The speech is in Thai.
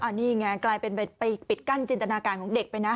นี่ไงกลายเป็นไปปิดกั้นจินตนาการของเด็กไปนะ